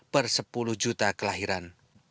per sepuluh juta kelahiran